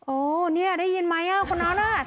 โอ้เนี่ยได้ยินไหมคนนั้นน่ะ